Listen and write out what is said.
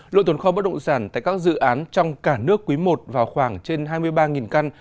lượng tồn kho bất động sản tại các dự án trong cả nước quý i vào khoảng trên hai mươi ba căn